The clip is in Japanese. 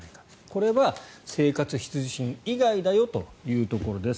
これは生活必需品以外だよというところです。